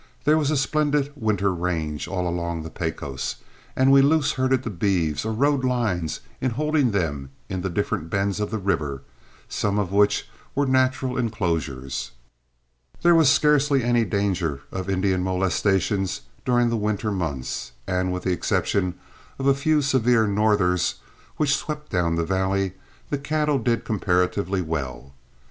There was a splendid winter range all along the Pecos, and we loose herded the beeves or rode lines in holding them in the different bends of the river, some of which were natural inclosures. There was scarcely any danger of Indian molestation during the winter months, and with the exception of a few severe "northers" which swept down the valley, the cattle did comparatively well.